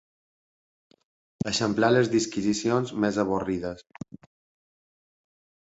Eixamplar les disquisicions més avorrides.